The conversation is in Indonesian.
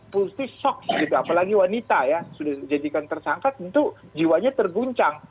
pasti shock gitu apalagi wanita ya sudah dijadikan tersangka tentu jiwanya terguncang